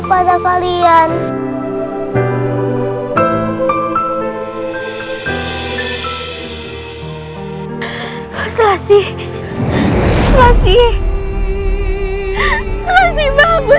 menampilkan buku saya dan ibuku